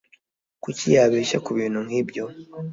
Kuki yabeshya kubintu nkibyo?